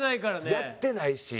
やってないし。